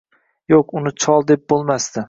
Yoʻq, uni chol deb boʻlmasdi